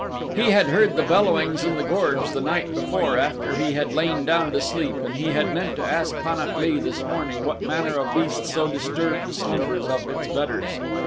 He had heard the bellowings in the gorge the night before after he had lain down to sleep and he had meant to ask Pan at lee this morning what manner of beast so disturbed the slumbers of its betters.